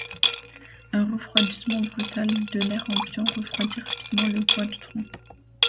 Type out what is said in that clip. Un refroidissement brutal de l'air ambiant refroidit rapidement le bois du tronc.